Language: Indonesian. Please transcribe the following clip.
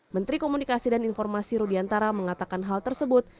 menteri komunikasi dan informasi rudiantara mengatakan hal tersebut